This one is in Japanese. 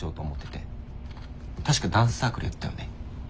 確かダンスサークルやったよね？